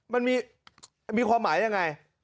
มันมีความหมายยังไง